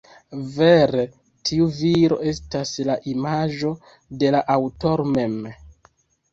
Vere tiu viro estas la imago de la aŭtoro mem.